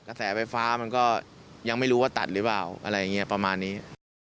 แสไฟฟ้ามันก็ยังไม่รู้ว่าตัดหรือเปล่าอะไรอย่างนี้ประมาณนี้